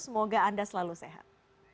semoga anda selalu sehat